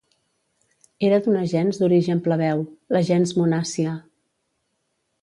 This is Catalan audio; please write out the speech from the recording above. Era d'una gens d'origen plebeu, la gens Munàcia.